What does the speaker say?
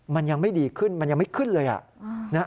มันยังไม่ดีขึ้นมันยังไม่ขึ้นเลย